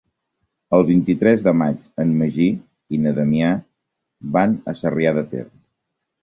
El vint-i-tres de maig en Magí i na Damià van a Sarrià de Ter.